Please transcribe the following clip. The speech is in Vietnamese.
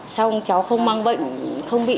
xong cháu không mang bệnh không bị